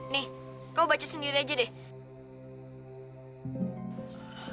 nih kau baca sendiri aja deh